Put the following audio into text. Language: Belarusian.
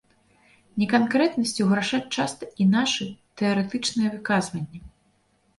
Неканкрэтнасцю грашаць часта і нашы тэарэтычныя выказванні.